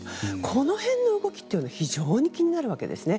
この辺の動きは非常に気になるわけですね。